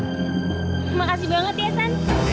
terima kasih banget ya san